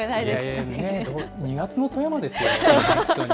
２月の富山ですよ、本当に。